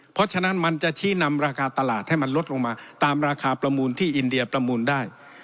เพราะฉะนั้นมันจะชี้นำราคาตลาดให้มันลดลงมาตามราคาประมูลที่อินเดียประมูลได้